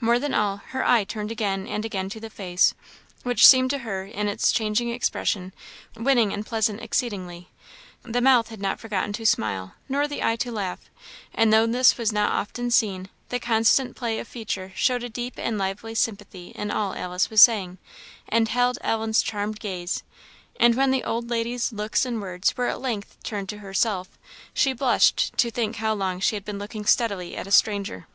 More than all, her eye turned again and again to the face, which seemed to her, in its changing expression, winning and pleasant exceedingly. The mouth had not forgotten to smile, nor the eye to laugh; and though this was not often seen, the constant play of feature showed a deep and lively sympathy in all Alice was saying, and held Ellen's charmed gaze; and when the old lady's looks and words were at length turned to herself, she blushed to think how long she had been looking steadily at a stranger.